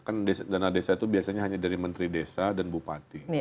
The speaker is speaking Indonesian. kan dana desa itu biasanya hanya dari menteri desa dan bupati